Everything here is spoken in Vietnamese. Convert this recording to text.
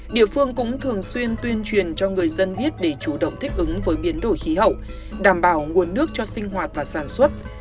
địa phương cũng thường xuyên tuyên truyền cho người dân biết để chủ động thích ứng với biến đổi khí hậu đảm bảo nguồn nước cho sinh hoạt và sản xuất